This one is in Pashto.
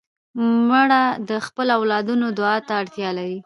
مړه د خپلو اولادونو دعا ته اړتیا لري